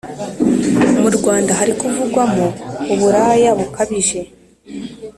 Murwanda hari kuvugwamo uburaya bukabije